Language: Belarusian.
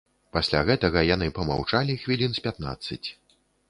Пасля гэтага яны памаўчалі хвілін з пятнаццаць.